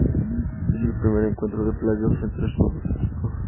Es el primer encuentro de playoffs entre estos equipos.